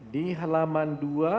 di halaman dua